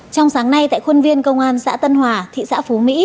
trong sáng nay tại khuôn viên công an xã tân hòa thị xã phú mỹ